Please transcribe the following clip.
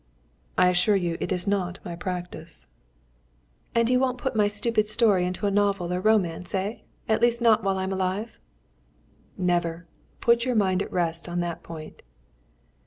"I assure you it is not my practice." "And you won't put my stupid story into a novel or a romance, eh? At least not while I'm alive?" "Never! Put your mind at rest on that point."